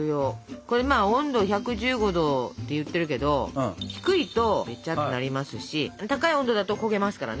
これまあ温度１１５℃って言ってるけど低いとべちゃっとなりますし高い温度だと焦げますからね。